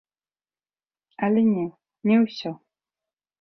Але не, не ўсё.